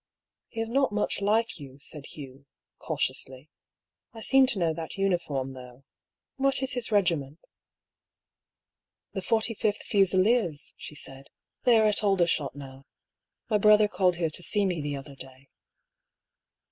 " He is not much like you," said Hugh, cautiously. " I seem to know that uniform, though. What is his regiment ?"" The 45th Fusiliers," she said. " They are at Alder shot now. My brother called here to see me the other day."